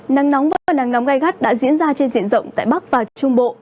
nắng nóng và nắng nóng gai gắt đã diễn ra trên diện rộng tại bắc và trung bộ